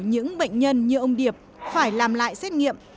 những bệnh nhân như ông điệp phải làm lại xét nghiệm